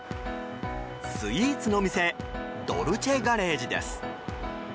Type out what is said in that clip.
スイーツの店ドルチェガレージです。